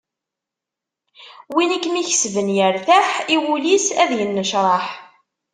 Win i kem-ikesben yertaḥ, i wul-is ad yennecraḥ.